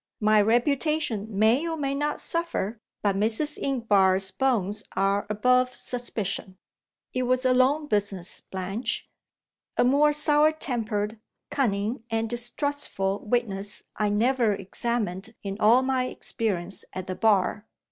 (My reputation may or may not suffer, but Mrs. Inchbare's bones are above suspicion!) It was a long business, Blanche. A more sour tempered, cunning, and distrustful witness I never examined in all my experience at the Bar.